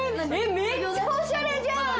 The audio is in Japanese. めっちゃおしゃれじゃん！